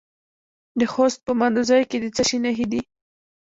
د خوست په مندوزیو کې د څه شي نښې دي؟